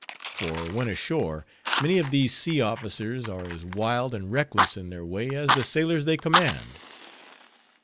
For when ashore, many of these sea officers are as wild and reckless in their way, as the sailors they command.